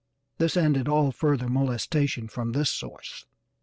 This ended all further molestation from this source.